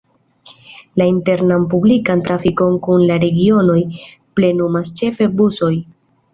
La internan publikan trafikon kun la regionoj plenumas ĉefe busoj.